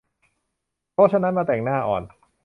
เพราะฉะนั้นมาแต่งหน้าอ่อน